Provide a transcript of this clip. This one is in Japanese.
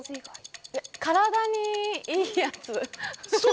体にいいやつ。